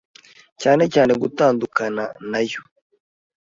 cyane cyane gutandukana nayo.